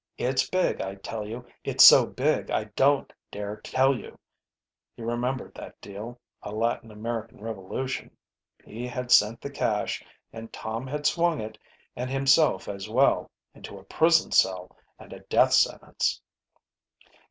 It's big, I tell you. It's so big I don't dare tell you_." He remembered that deal a Latin American revolution. He had sent the cash, and Tom had swung it, and himself as well, into a prison cell and a death sentence.